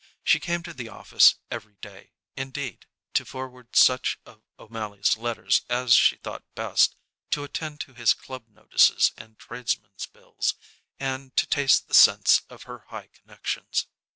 She came to the office every day, indeed, to forward such of O'Mally's letters as she thought best, to attend to his club notices and tradesmen's bills, and to taste the sense of her high connections.